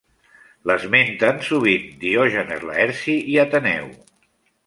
L'esmenten sovint Diògenes Laerci i Ateneu.